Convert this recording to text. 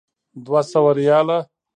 دوه سوه ریاله.